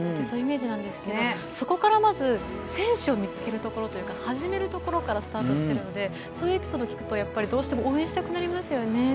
そういうイメージなんですけどそこから、まず選手を見つけるところというか始めるところからスタートしてるのでそういうエピソード聞くとどうしても応援したくなりますよね。